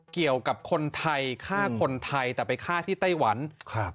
เกี่ยวกับคนไทยฆ่าคนไทยแต่ไปฆ่าที่ไต้หวันครับ